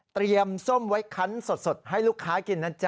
ส้มไว้คันสดให้ลูกค้ากินนะจ๊